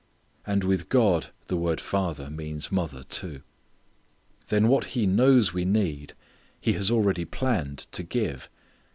And with God the word father means mother too. Then what He knows we need He has already planned to give.